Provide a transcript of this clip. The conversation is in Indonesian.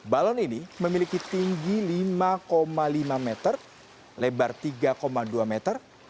balon ini memiliki tinggi lima lima meter lebar tiga dua meter